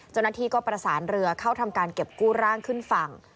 เจ้าหน้าที่ก็ประสานเรือเข้าทำการเก็บกู้ร่างขึ้นฝั่ง